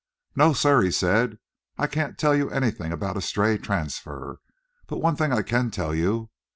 "No, sir," he said, "I can't tell you anythin' about a stray transfer. But one thing I can tell you.